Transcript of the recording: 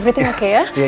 semuanya baik baik saja ya